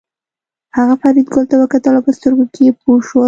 هغه فریدګل ته وکتل او په سترګو کې پوه شول